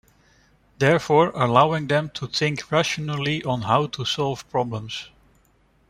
Therefore, allowing them to think rationally on how to solve problems.